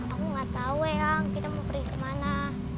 aku gak tahu eang kita mau pergi ke mana